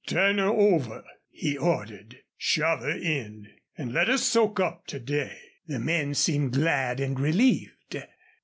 "Turn her over," he ordered. "Shove her in. An' let her soak up to day." The men seemed glad and relieved.